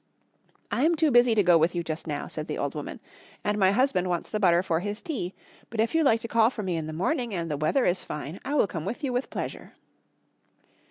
"I am too busy to go with you just now," said the old woman, "and my husband wants the butter for his tea. But if you like to call for me in the morning and the weather is fine I will come with you with pleasure."